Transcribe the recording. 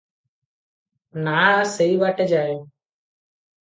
ନାଆ ସେହି ବାଟେ ଯାଏ ।